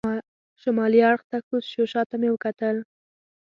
شمالي اړخ ته کوز شو، شا ته مې وکتل.